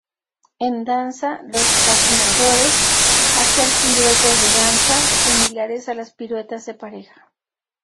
En danza, los patinadores hacer "piruetas de danza", similares a las piruetas de pareja.